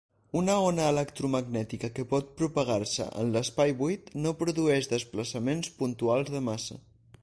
Una ona electromagnètica que pot propagar-se en l'espai buit no produeix desplaçaments puntuals de massa.